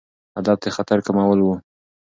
هدف د خطر کمول وو.